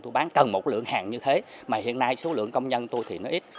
tôi bán cần một lượng hàng như thế mà hiện nay số lượng công nhân tôi thì nó ít